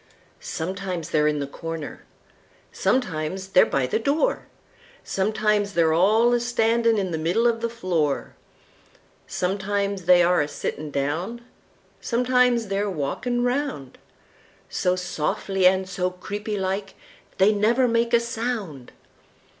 Sometimes they're in the corner, sometimes they're by the door, Sometimes they're all a standin' in the middle uv the floor; Sometimes they are a sittin' down, sometimes they're walkin' roundSo softly and so creepy like they never make a sound!